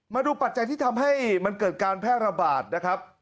ปัจจัยที่ทำให้มันเกิดการแพร่ระบาดนะครับ